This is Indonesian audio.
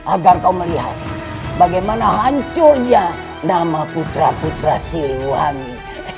agar kau melihat bagaimana hancurnya nama putra putra siliwangi